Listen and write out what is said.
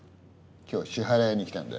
今日は支払いに来たんだ。